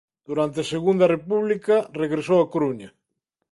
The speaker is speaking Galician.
Durante a Segunda República regresou á Coruña.